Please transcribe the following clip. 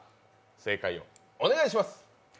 正解をお願いします。